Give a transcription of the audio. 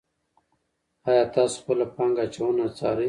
آیا تاسو خپله پانګه اچونه څارئ.